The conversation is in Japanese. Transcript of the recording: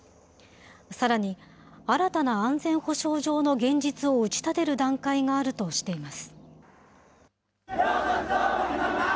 さらに新たな安全保障上の現実を打ち立てる段階があるとしています。